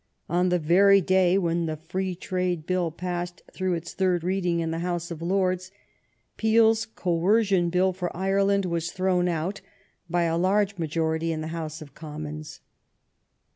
On the very day when the Free Trade Bill passed through its third reading in the House of Lords, PeeFs Coercion Bill for Ireland was thrown out by a large majority in the House of Commons.